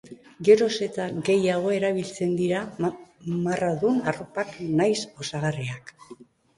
Geroz eta gehiago erabiltzen dira marradun arropak nahiz osagarriak.